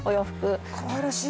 あらかわいらしい。